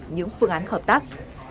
những phương án hợp tác